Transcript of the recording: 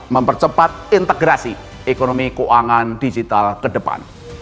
mempercepat integrasi ekonomi keuangan digital ke depan